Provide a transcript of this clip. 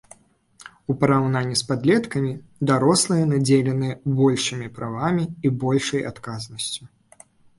У параўнанні з падлеткамі, дарослыя надзеленыя большымі правамі і большай адказнасцю.